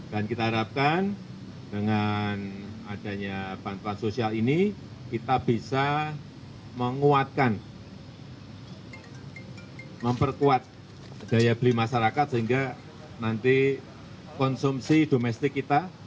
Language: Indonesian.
dan kita harapkan dengan adanya bantuan sosial ini kita bisa menguatkan memperkuat daya beli masyarakat sehingga nanti konsumsi domestik kita